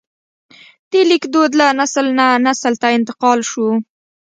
د لیک دود له نسل نه نسل ته انتقال شو.